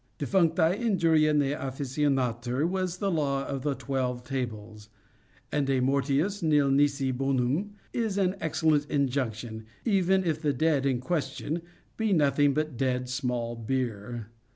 Defuncti injuriâ ne afficiantur was a law of the twelve tables, and De mortuis nil nisi bonum is an excellent injunction—even if the dead in question be nothing but dead small beer.